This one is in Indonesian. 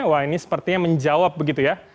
wah ini sepertinya menjawab begitu ya